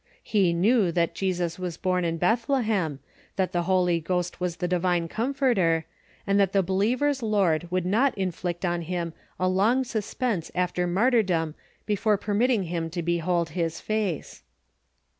He knew that Jesus was born in Bethlehem, that the Holy Ghost was the divine Comforter, and that the believer's Lord would not inflict on him a long suspense after martyrdom before permitting him to behold his face.